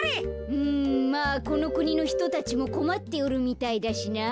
うんまあこのくにのひとたちもこまっておるみたいだしなあ。